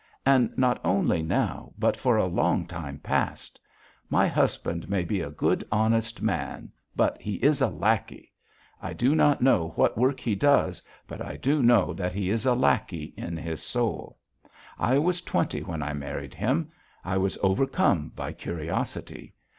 And not only now but for a long time past. My husband may be a good honest man, but he is a lackey. I do not know what work he does, but I do know that he is a lackey in his soul. I was twenty when I married him. I was overcome by curiosity.